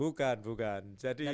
bukan dari akpol ya pak